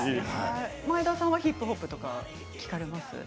前田さんはヒップホップとか聴かれますか。